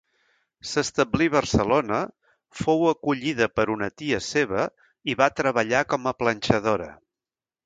S'establí a Barcelona, fou acollida per una tia seva i va treballar com a planxadora.